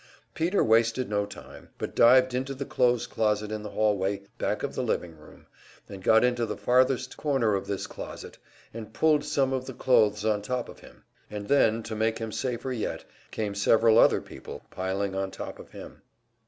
Peter wasted no time, but dived into the clothes closet in the hallway back of the living room, and got into the farthest corner of this closet, and pulled some of the clothes on top of him; and then, to make him safer yet, came several other people piling on top of him.